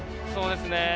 そうですね。